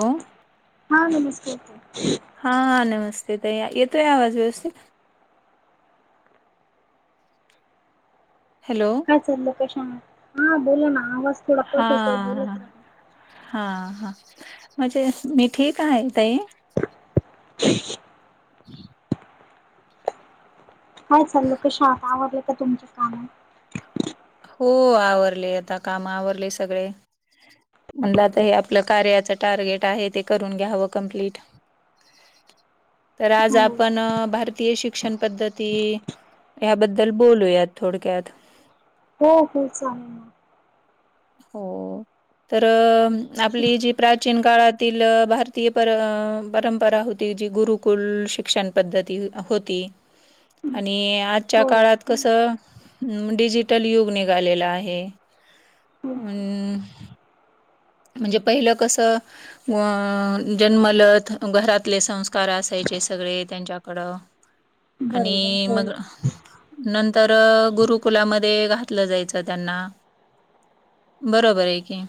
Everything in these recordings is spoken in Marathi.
हो हा नमस्कार हा नमस्तेेत येतोय आवाज व्यवस्थित हॅलो लोकश हा बोला ना आवाज थोडा हा कत होतो बोलत राहा हा हा म्हणजे मी ठीक आहे तई ह हम् काय चाल लोकेश आता आवडलं का तुमच्या काम हो आवरले आता काम आवरले सगळे म्हणलं आता हे आपलं कार्याचं टार्गेट आहे ते करून घ्यावं कंम्प्लीट तर आज हो आपण भारतीय शिक शिक्षण पद्धती याबद्दल बोलूयात थोडक्यात हो हो चालेल ना हो तर शिक आपली जी प्राचीन काळातील भारतीय पर परंपरा होती जी गुरुकुल शिक्षण पध हो आणि आढच्या होय काळात हं, कसं डिजिटल युग निघालेलं आहे. हो हो. आणि म्हणजे पहिलं कसं अ जन्मलत घरातले संस्कार असायचे सगळे त्यांच्याकडं. बरोबर आणि होय मग. नंतर गुरुकुलामध्ये घातलं जायचं त्यांना. बरोबर आहे की.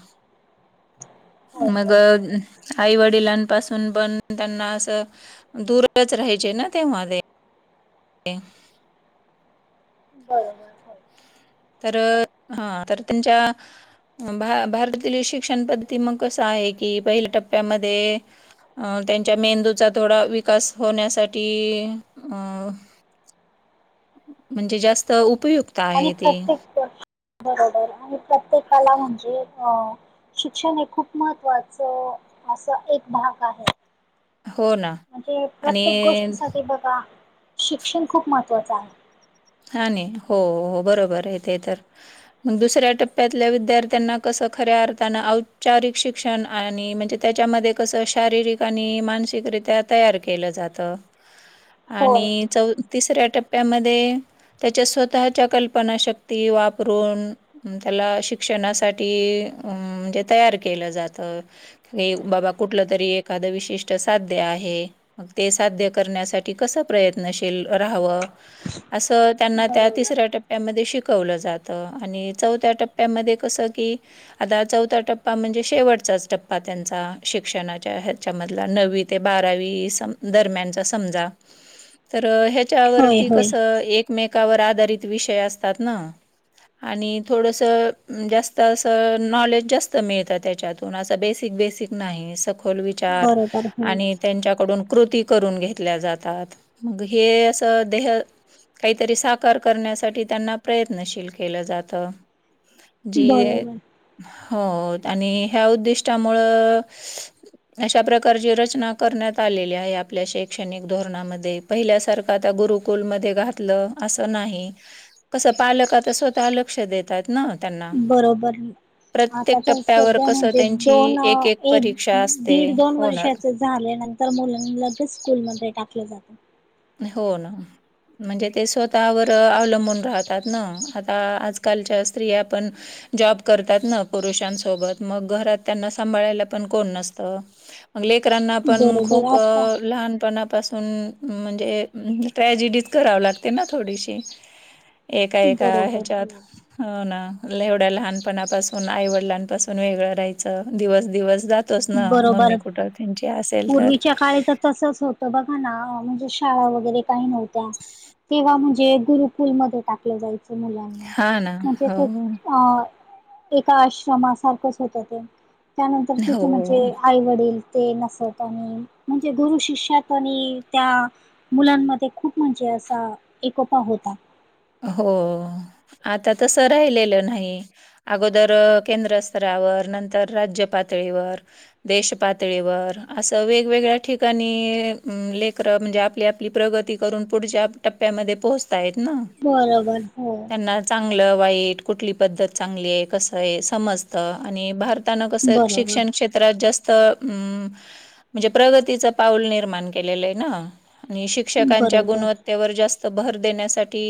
होय मग होय आई वडिलांपासून पण त्यांना असं दूरच राहायचे ना ते म. ते बरोबर होय तर हा तर त्यांच्या भारतातील शिक्षण पद्धती मग कस आहे की पहिल्या टप्प्यामध्ये अ त्यांच्या मेंदूचा थोडा विकास होण्यासाठी अं म्हणजे जास्त उपयुक्त आणि आहे ते प्रत्येक बरोबर आणि प्रत्येकाला म्हणजे अ शिक्षण हे खूप महत्त्वाचं असं एक भाग आहे हो ना म्हणजे प्रत्येक आणि गोष्टीसाठीठी बघा शिक्षण खूप महत्त्वाचं आहे हा नाही हो हो बरोबर आहे ते तर मग दुसऱ्या टप्प्यातल्या विद्यार्थ्यांना कसं खऱ्या अर्थान औपचारिक शिक्षण आणि म्हणजे त्याच्यामध्ये कस शारीरिक आणि मानसिकरित्या तयार केलं जात होय आणि चौ तिसऱ्या टप्प्यामध्ये त्याच्या स्वतःच्या कल्पना शक्ती वापरून. त्याला शिक्षणासाठी अं म्हणजे तयार केलं जातं बाबा कुठलं तरी एखादं विशिष्ट साध्य आहे. मग ते साध्य करण्यासाठी कसं प्रयत्नशील राहावं असं त्यांना त्या बरोबर तिसऱ्या टप्या. टप्प्यामध्ये शिकवलं जातं आणि चौथ्या टप्प्यामध्ये कसं की? आता चौथा टप्पा म्हणजे शेवटचाच टप्पा त्यांचा शिक्षणाच्या ह्याच्यामधला नवीन! होय होय [unintelligible] एकमेकावर आधारित विषय असतात ना. आणि थोडंसं जास्त असं नॉलेज जास्त मिळतं त्याच्यातून. असा बेसिक बेसिक नाही सखोल विचार बरोबर हो आणि. त्यांच्याकडून कृती करून घेतल्या जातात मग हे असं देह काहीतरी साकार करण्यासाठी त्यांना प्रयत्नशील केलं जात. जी बरोबर हो आणि ह्या उद्दिष्टामुळं. अशा प्रकारची रचना करण्यात आलेली आहे आपल्या शैक्षणिक धोरणामध्ये‌. पहिल्यासारखा आता गुरुकुलमध्ये. घ अस नाही कस पालक स्वतः लक्ष द ना त्यांना बरोबर आता प्रत्येक तर टप्प्यावर सध्या कसं म्हणजे त्यांची दोन एक परीक्षा असते. दीड दोन होणार वर्षाच! झाल्या नंतर मुलां लगेच स्कूल म टाकलं जातं हो ना म्हणजे ते स्वतःवर अवलंबून राहतात ना आता आजकालच्या स्त्रिया पण. जॉब करतात ना पुरुषांसोबत मग घरात त्यांना सांभाळायला पण कोण नसतं. म लेकरांना पण बरोबर खूप आता लहानपणापासून मं म्ह जे ट्रॅजिडीच कराव लागते ना थोडीशी. एका एका बरोबर ह्याच्यात हो हो ना ल एवढ्या लहानपणापासून आईवडिलांपासून वेगळं राहायचं दिवस दिवस जात. तच ना बरोबर मम्मी कुठं त्यांची असेल तर तं तसंच होतं. बघा ना म्हणजे शाळा वगैरे काही नव्हत्या. तेव्हा म्हणजे गुरुकुलमध्ये टाकलं जायचं मुलांना हा ना म्हणजे हो ते आ एका आश्रमासारखंच होतं ते त्यानंतर ते हो आईवडील ते नसत आणि म्हणजे गुरु शिष्यात पनी त्या मुलांमध्ये खूप म्हणजे असा एकोपा होता. हो आता तस राहिलेलं नाही. अगोदर केंद्र स्तरावर नंतर राज्य पातळीवर. देश पातळीवर असं वेगवेगळ्या ठिकाणी अम लेकरं म्हणजे आपल्या आपली प्रगती करून पुढच्या टप्प्यामध्ये पोहोचतायेत ना. बरोबर हो. ना चांगलं वाईट कुठली पद्धत चांगली आहे कसं आहे समजतं आणि भार त्यांना कसा आहे बरोबर शिक्षण क्षेत् त्र जास्त अ म्हणजे प्रगतीच पाऊल निर्माण केलेलं आहे ना. आणि शिक्षकांच्या बरोबर गुणवत्तेवर जास्त भर देण्यासाठी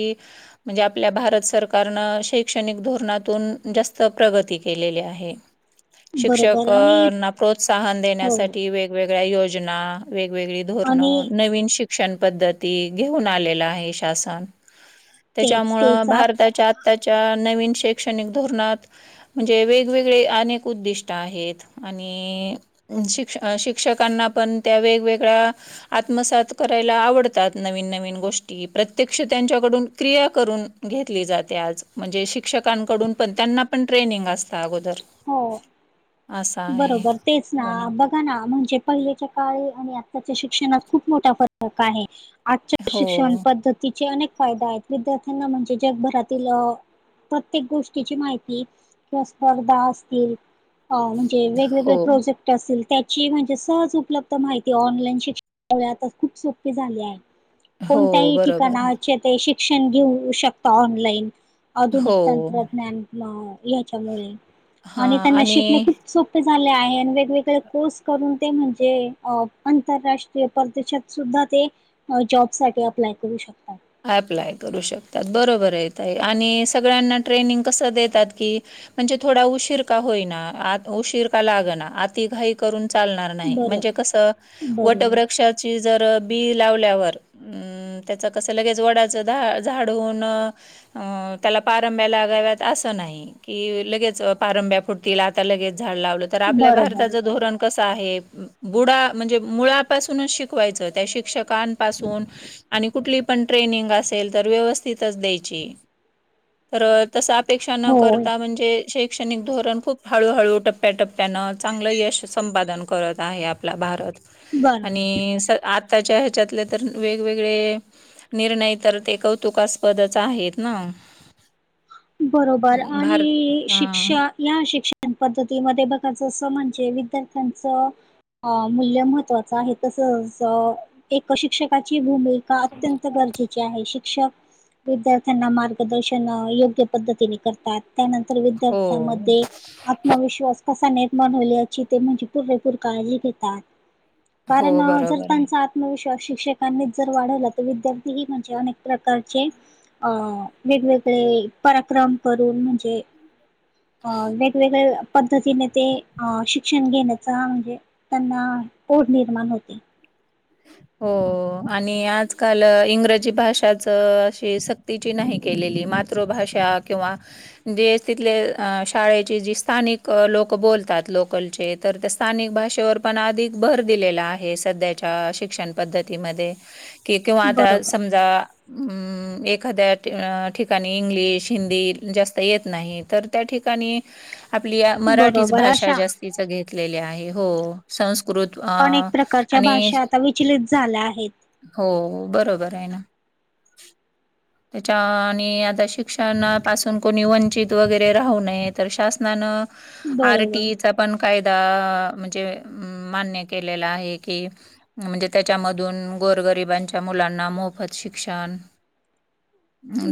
म्हणजे आपल्या भारत सरकारनं शैक्षणिक धोरणातून जास्त प्रगती केलेली आहे. बरोबर आणि शिक्षकना प्रोत्साहन हो देण्यासाठी वेगवेगळ्या योजना वेगवेगळी आणि धोरणं नवीन शिक्षण पद्धती घेऊन आलेला आहे शासन. तेच त्याच्यामुळं तेच आत भारताच्या आत्ताच्या नवीन शैक्षणिक धोरणात म्हणजे वेगवेगळे अनेक उद्दिष्ट आहेत. आणि शिक् शिक्षकांना पण त्या वेगवेगळ आत्मसात करायला आवडतात नवीन नवीन गोष्टी प्रत्यक्ष त्यांच्याकडून क्रिया करून घेतली जाते आज म्हणजे शिक्षकांकडून पण त्यांना पण ट्रेनिंग असतं अगोदर. हो असं आहे बरोबर तेच ना बघ बघताना म्हणजे पहिल्याच्या काळी आणि आताच्या शिक्षणात खूप मोठा फरक आहे. आजच्या हो शिक्षण पद्धतीचे अनेक फायदे आहेत. विद्यार्थ्यांना म्हणजे जगभरातील प्रत्येक गोष्टीची माहिती किंवा स्पर्धा असतील अ वेगवेगळे हो प्रोजेक्ट असतील त्याची म्हणजे सहज उपलब्ध माहिती ऑनलाईन शिक्ष आता खूप सोपे झाले आहे. हो कोणत्याही बरोबर ठिकाणाचे ते शिक्षण घेऊ शकत ऑनलाईन आधुनिक हो तंत्रज्ञान. नाव याच्यामुळे आणि हां त्यांना शिकणे आणि खूप सोपे झाले आहे आणि वेगवेगळे कोर्स करून ते म्हणजे अ आंतरराष्ट् - ष्ट्रीय परदेशात सुद्धा ते जॉब साठी अप्लाय करू शकतात. अप्लाय करू शकतात. बरोबर आहे ताई आणि सगळ्यांना ट्रेनिंग कसं देतात की म्हणजे थोडा उशीर का होईना आत उशीर का लागना आति घाई करून चालनार नाही बरो म्हणजे कसं बरोबर वटवृक्ष ची जर बी लावल्यावर अम त्याच कसं लगेच वडाचं झाड झाडू होऊन अ त्याला पारंब्या लागाव्यात असं नाही. कि लगेच पारंब्या फूटतील आता लगेच झाड लावलं तर आपल्या बरोबर भारताचं धोरण कसं आहे बुडा म्हणजे मुळापासूनच शिकवायचं त्या शिक्षकांपासून आणि कुठली पण ट्रेनिंग असेल तर व्यवस्थितच द्यायची तर. तस अपेक्षा न होय करता म्हणजे शैक् क्षणिक धोरण खूप हळूहळू टप्प्याटप्प्यानं चांगलं यश संपादन करत आहे आपला भारत. बरोबर. आणि स आताच्या ह्याच्यातले तर वेगवेगळे निर्णय तर ते कौतुकास्पदचं आहेत ना. बरोबर भारत आणि हा शिक्षा या शिक्षण पद्धतीमध्ये बघाचं अस म्हणजे विद्यार्थ्यांचं अ मूल्य महत्वाचं आहे तसच एका शिक्षकाची भूमि- का अत्यंत गरजे आहे, शिक्षक विद्यार्थ्यांना मार्गदर्शन योग्य पद्धतीने करतात. त्यानंतर हो विद्यार्थ्यांमध्ये आत्मविश्वास कसा नट बनवल्या याची ते म्हणजे पुरेपूर काळजी घेतात. कारण हो अ‌ जर बरोबर आहे. त्यांचा आत्मविश्वास शिक्षकांनी जर वाढवला तर विद्यार्थी ही म्हणजे अनेक प्रकारचे अ वेगवेगळे पराक्रम करून म्हणजे, अ वेगवेगळ्या पद्धतीने ते अ शिक्षण घेण्याचा म्हणजे. त्यांना ओढ निर्माण होते. हो आणि आजकाल इंग्रजी भाषाचं अशे सक्ती सक्तीची नाही केलेली. मातृभाषा किंवा जेस तिथले अ शाळेचे जे स्थानिक अ लोकं बोलतात लोकलचे तर त्या स्थानिक भाषेवर पण अधिक भर दिलेला आहे. सध्या अ शिक्षण पद्धती मध्ये की किंवा आता बरोबर समजा हम एखाद्या ठिकाण अं इंग्लिश, हिंदी जास्त येत नाही तर त्या ठिकाणी आपली मराठीच बरोबर भाषा अशा जास्तीच घेतलेली आहे. हो! संस्कृत अ च्या आणि भाषा आता विचलित झाल्या आहेत. हो बरोबर आहे ना. त्याच्या आणि आता शिक्षणापासून कोणी वंचित वगैरे राहू नये तर शासनानं आर. टी. बरोबर ई. चा पण कायदा म्हणजे अं मान्य केलेला आहे. कि म्हणजे त्याच्या मधून गोर गरिबांच्या मुलांना मोफत शिक्षण.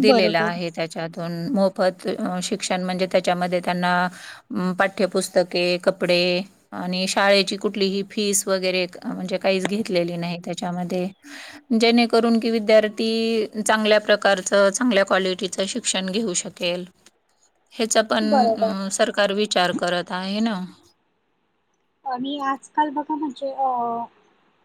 दिलेला बरोबर आहे त्या त्यातून मोफत शिक्षण म्हणजे त्याच्या मध्ये त्यांना अ पाठ्यपुस्तके कपडे आणि शाळेची कुठलीही फीस वगैरे म्हणजे काहीच घेतलेली नाही त्याच्यामध्ये. जेणेकरून की विद्यार्थी चांगल्या प्रकारच चांगल्या क्वालिटीच शिक्षण घेऊ शक केल ह्याचा पण बरोबर सरकार विचार करत आहे ना. आणि आजकाल बघा म्हणजे अ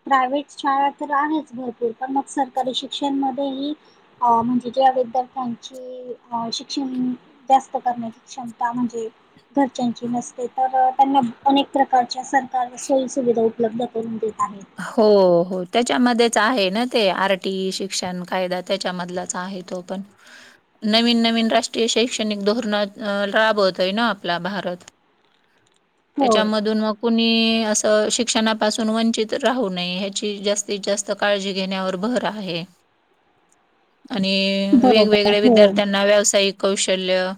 प्रायव्हेट शाळा तर आहेच भरपूर, पण मग सरकारी शिक्षण मध्येही अ म्हणजे जे आहेत त्यात त्यांची की शिक्षण जास्त करण्याची क्षमता म्हणजे घरच्यांची नसते, तर त्यांना अनेक प्रकारच्या सरकार सोयी सुविधा उपलब्ध करून देत आहेत. हो हो! त्याच्यामध्येच आहे ना ते, आर टी शिक्षण कायदा त्याच्या मधलाच आहे तो. पण नवीन नवीन राष्ट्रीय शैक्षणिक धोरणा राबवतोय ना आपला भारत. होय त्याच्यामधून मग कुणी असं शिक्षणापासून वंचित राहू नये ह्याची जास्तीत जास्त काळजी घेण्यावर भर आहे. आणि बरोबर वेगवेगळ्या हो विद्यार्थ्यांना व्यावसायिक कौशल्य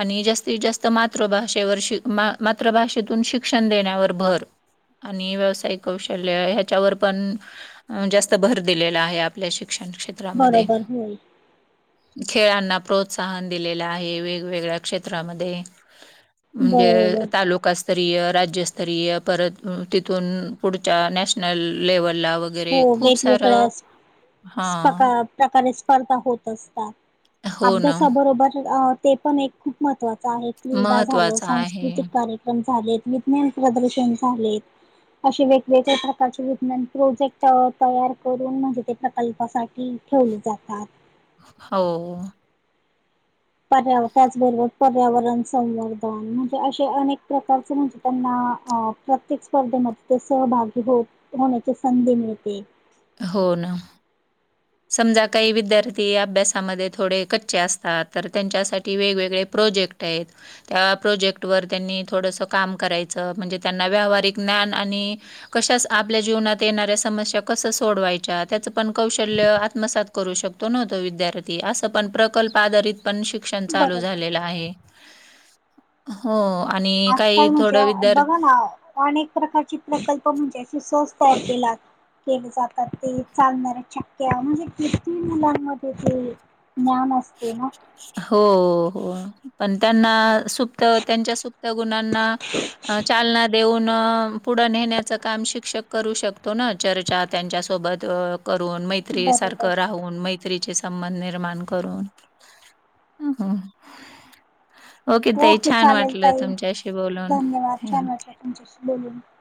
आणि जास्तीत जास्त मातृभाषेवर शिक मा मातृभाषेतून शिक्षण देण्यावर भर. आणि व्यावसायिक कौशल्य. कौशल्य हच्यावर पण जास्त भर दिलेला आहे. आपल्या शिक्षण क्षेत् त्रामध्ये. बरोबर होय खेळांना प्रोत्साहन दिलेलं आहे वेगवेगळ्या क्षेत्रामध्ये. म्हणजे बरोबर तालुकास्तरीय, राज्यस्तरीय परत तिथून पुढ पुढच्या नॅशनल लेव्हलला वगै हो वेगवेगळ्या हा प्सकार प्रकारे स्पर्धा होत असतात हो ना अभ्यासाबरोबर ते पण एक. खूप महत्त्वाचं आहे क्रीडा झालं महत्त्वाचं आहे सांस्कृतिक कार्य. कार्यक्रम झालेत विज्ञान प्रदर्शन झालेत अशे वेगवेगळ्या खूप प्रकारचे विज्ञान प्रोजेक्ट तयार करून म्हणजे ते प्रकल्पासाठी ठेवले जातात. हो. पर्यावरण त्याचबरोबर पर्यावरण संवर्धन म्हणजे असे अनेक प्रकारचे म्हणजे त्यांना. प्रत्येक स्पर्धेमध्ये ते सहभागी हो होण्याची संधी मिळते. हो ना. समजा काही विद्यार्थी अभ्यासामध्ये थोडे कच्चे असतात तर त्यांच्यासाठी वेगवेगळे प्रोजेक्ट. त्या आहेत. त्या प्रोजेक्ट वर त्यांनी थोडस काम करायचं म्हणजे त्यांना व्यावहारिक ज्ञान आणि कश आपल्या जीवनात येऱ्या समस्या कस सोडवायच्या त्याच पण कौ आत्मसात करू शकतो न्हो विद्यार्थी असण प्रकल्प आधारित पण श शिक्षण चालू बरोबर झालेलं आहे. हो आणि. काही आजकाल म्हणजे थोडं विद्यार्थी बघा ना. अनेक प्रकारचे प्रकल्प म्हणजे शसोस तयार केलात. केले जातात ते चालणाऱ्या चक्क्या म्हणजे कवी मुलांमध्ये ते. ज्ञान असते ना. हो हो पण त्यांना. सुप्त त्यांच्या सुप्त गुणांना चालना देऊन. पुढं नेण्याच काम शिक्षक करू शकतो ना चर्चा त्यांच्या सोबत करून मैत्री बरोबर सारखं राहून मैत्रीचे संबंध निर्माण करून. हम हम. ओके तेही छान चालेल वाटलं ताई तुमच्याशी बोलून.. धन्यवाद [inaudible]